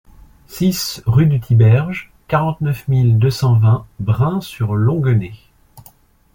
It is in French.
six rue du Thiberge, quarante-neuf mille deux cent vingt Brain-sur-Longuenée